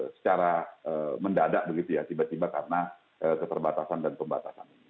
secara mendadak begitu ya tiba tiba karena keterbatasan dan pembatasan ini